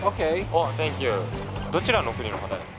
どちらの国の方ですか？